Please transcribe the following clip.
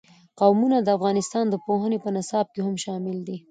قومونه د افغانستان د پوهنې په نصاب کې هم شامل دي.